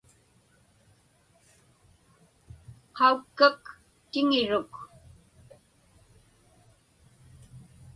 Qaukkak tiŋiruk.